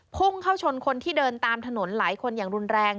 พุ่งเข้าชนคนที่เดินตามถนนหลายคนอย่างรุนแรง